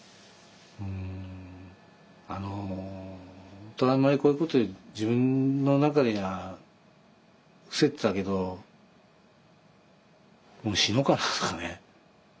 本当はあんまりこういうこと自分の中では伏せてたけど「もう死のうかな」とかね。